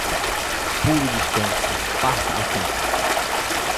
Puro descanso, parta a tempo!